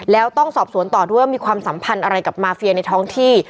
แล้วต้องสอบสวนต่อด้วยว่ามีความสัมพันธ์อะไรกับมาเฟียในท้องที่